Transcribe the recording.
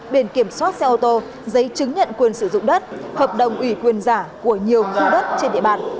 biển kiểm soát xe ô tô giấy chứng nhận quyền sử dụng đất hợp đồng ủy quyền giả của nhiều khu đất trên địa bàn